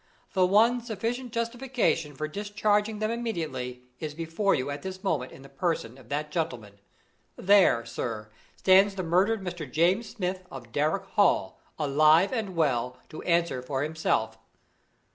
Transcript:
"The one sufficient justification for discharging them immediately is before you at this moment in the person of that gentleman. There, sir, stands the murdered Mr. James Smith, of Darrock Hall, alive and well, to answer for himself."